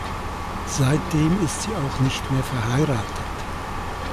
Seitdem ist sie auch nicht mehr verheiratet.